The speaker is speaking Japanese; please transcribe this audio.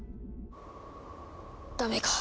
ダメか。